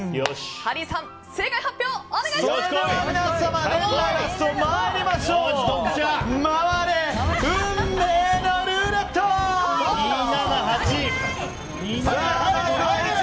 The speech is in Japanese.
ハリーさん、正解発表お願いします。